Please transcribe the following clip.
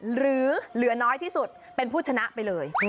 หรือเหลือน้อยที่สุดเป็นผู้ชนะไปเลย